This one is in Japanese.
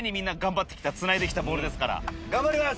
頑張ります！